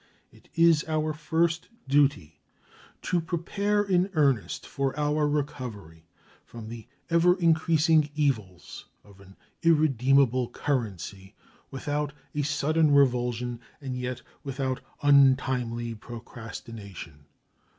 It is our first duty to prepare in earnest for our recovery from the ever increasing evils of an irredeemable currency without a sudden revulsion, and yet without untimely procrastination.